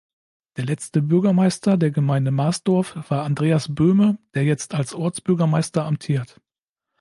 Der letzte Bürgermeister der Gemeinde Maasdorf war Andreas Böhme, der jetzt als Ortsbürgermeister amtiert.